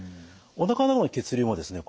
おなかの方の血流もですね